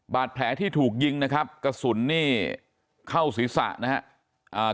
บาดแผลที่ถูกยิงนะครับกระสุนนี่เข้าศีรษะนะครับ